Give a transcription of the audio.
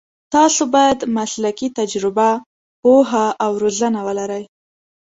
تاسو باید مسلکي تجربه، پوهه او روزنه ولرئ.